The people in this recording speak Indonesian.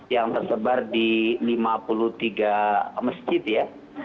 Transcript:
yang tersebar di lima puluh tiga masjid ya